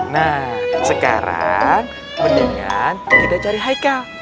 nah sekarang mendingan kita cari highl